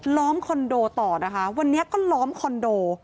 ล้อมคอนโดต่อนะคะวันนี้ก็ล้อมคอนโด